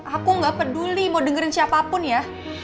aku nggak peduli mau dengerin siapapun ya